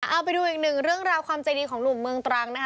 เอาไปดูอีกหนึ่งเรื่องราวความใจดีของหนุ่มเมืองตรังนะคะ